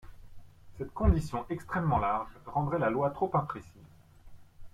Cette condition extrêmement large rendrait la loi trop imprécise.